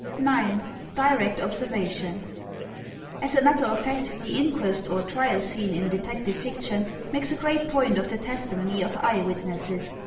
p. Direct Observation As a matter of fact, the inquest or trial scene in detective fiction makes a great point of the testimony of eye witnesses.